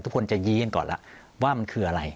ทุกคนจะยี้กันก่อนแล้วว่ามันคืออะไร